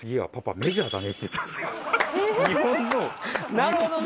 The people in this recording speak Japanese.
なるほどね。